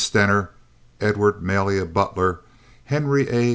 Stener, Edward Malia Butler, Henry A.